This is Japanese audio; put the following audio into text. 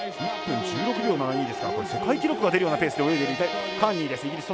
１分１６秒７２ですから世界記録が出るようなペースで泳いでいるカーニーです、イギリス。